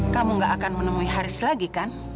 kamu gak akan menemui haris lagi kan